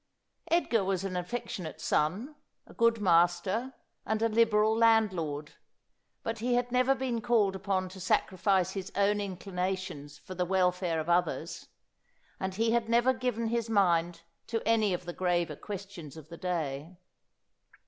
Edgar was an affectionate son, a good master, and a liberal landlord, but he had never been called upon to sacrifice his own inclinations for the welfare of others, and he had never given his mind to any of the graver questions of the day.